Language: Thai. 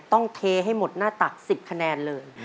ต้องเทให้หมดหน้าตักสิบคะแนนเลย